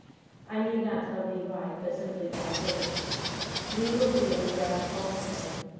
I need not tell Le why, but simply that I do. Le will believe that I am false to him.